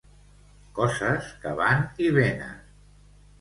Coses que van i venen.